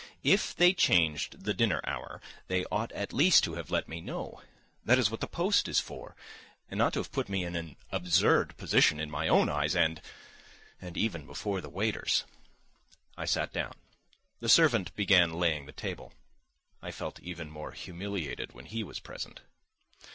If they changed the dinner hour they ought at least to have let me know—that is what the post is for, and not to have put me in an absurd position in my own eyes and ... and even before the waiters. I sat down; the servant began laying the table; I felt even more humiliated when he was present.